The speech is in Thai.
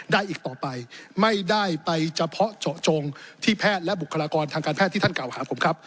ได้อีกต่อไปไม่ได้ไปเฉพาะเจาะจงที่แพทย์และบุคลากรทางการแพทย์ที่ท่านกล่าวหาผมครับ